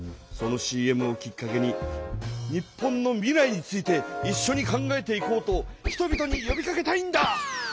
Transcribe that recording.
そのＣＭをきっかけに日本の未来についていっしょに考えていこうと人々によびかけたいんだ！